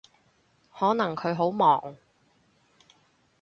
可能佢好忙